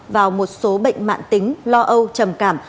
vào một số bệnh mạng tính lo âu trầm cảm